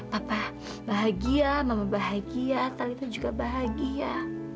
papa bahagia mama bahagia talita juga bahagia